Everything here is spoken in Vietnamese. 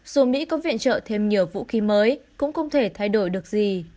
dù mỹ có viện trợ thêm nhiều vũ khí mới cũng không thể thay đổi được gì